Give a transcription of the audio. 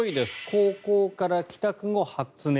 高校から帰宅後、発熱。